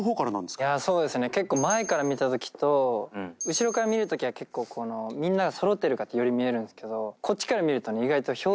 そうですね結構前から見た時と後ろから見る時は結構みんながそろってるかってより見えるんですけど。